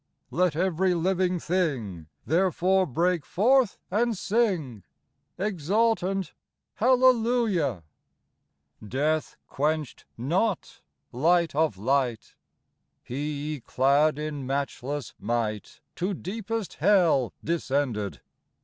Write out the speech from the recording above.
Let every living thing Therefore break forth and sing, Exultant, " Hallelujah !" 109 Death quenched not Light of light : He, clad in matchless might, To deepest hell descended.